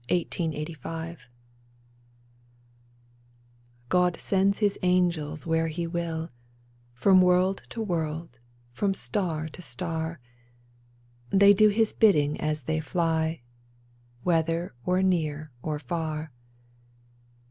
GRANT August 8, 1885 God sends his angels where he will, From world to world, from star to star ; They do his bidding as they fly. Whether or near or far